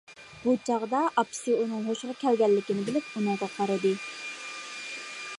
بۇ چاغدا ئاپىسى ئۇنىڭ ھوشىغا كەلگەنلىكىنى بىلىپ ئۇنىڭغا قارىدى.